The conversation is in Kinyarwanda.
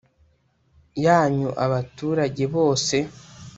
Yanyu abaturage bose